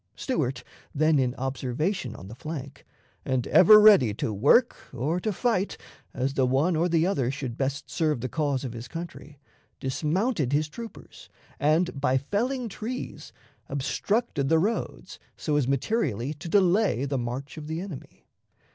Stuart, then in observation on the flank, and ever ready to work or to fight as the one or the other should best serve the cause of his country, dismounted his troopers, and, by felling trees, obstructed the roads so as materially to delay the march of the enemy.